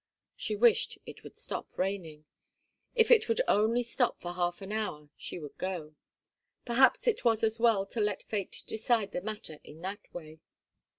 She wished it would stop raining. If it would only stop for half an hour she would go. Perhaps it was as well to let fate decide the matter in that way.